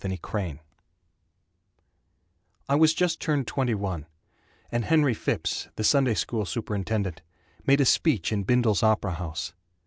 Harry Wilmans I was just turned twenty one, And Henry Phipps, the Sunday school superintendent, Made a speech in Bindle's Opera House.